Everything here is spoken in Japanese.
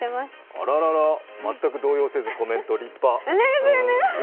あららら、全く動揺せずコメント立派。